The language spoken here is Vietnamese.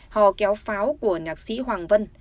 họ kéo pháo của nhạc sĩ hoàng vân